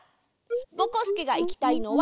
ぼこすけがいきたいのは